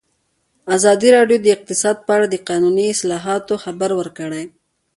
ازادي راډیو د اقتصاد په اړه د قانوني اصلاحاتو خبر ورکړی.